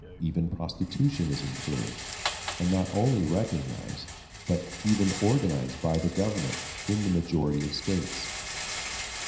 Even prostitution is encouraged, and not only recognized, but even organized by the government in the majority of states.